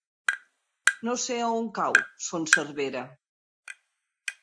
No sé on cau Son Servera.